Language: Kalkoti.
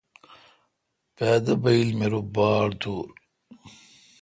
پادہ بایل می رو باڑ دور۔